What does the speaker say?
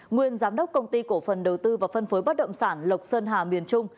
nguyên giám đốc công ty cổ phần đầu tư và phân phối bất động sản lộc sơn hà miền trung